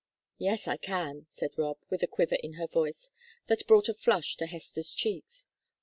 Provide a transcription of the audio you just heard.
"Yes, I can," said Rob, with a quiver in her voice that brought a flush to Hester's cheeks.